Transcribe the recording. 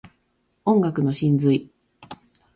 音楽の真髄